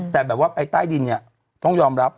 แต่แบบว่าไปใต้ดินเนี่ยต้องยอมรับ